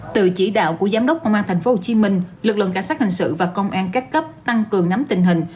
từ chỉ đạo của giám đốc công an tp hcm lực lượng cảnh sát hình sự và công an các cấp tăng cường nắm tình hình